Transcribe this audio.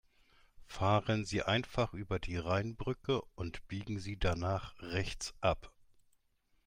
Fahren Sie einfach über die Rheinbrücke und biegen Sie danach rechts ab!